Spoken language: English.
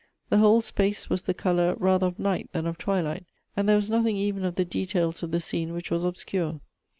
The whole space was the color rather of night than of twilight, and there was nothing even of the details of the scene which was obscure.